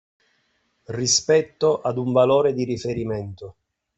Rispetto ad un valore di riferimento.